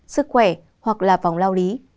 sức khỏe hoặc là vòng lao lý